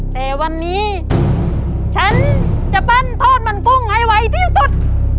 แต่วันนี้ฉันจะปั้นทอดมันกุ้งให้ไวที่สุด